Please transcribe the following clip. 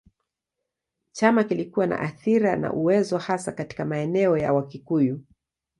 Chama kilikuwa na athira na uwezo hasa katika maeneo ya Wakikuyu.